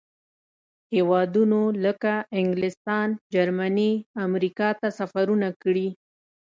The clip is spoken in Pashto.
هېوادونو لکه انګلستان، جرمني، امریکا ته سفرونه کړي.